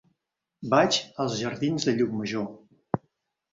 Vaig als jardins de Llucmajor.